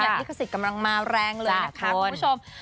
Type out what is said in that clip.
อย่างลิขสิตกำลังมาแรงเลยนะครับคุณผู้ชม